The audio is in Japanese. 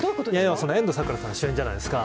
遠藤さくらさん主演じゃないですか。